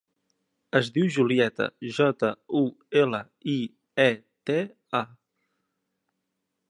Es diu Julieta: jota, u, ela, i, e, te, a.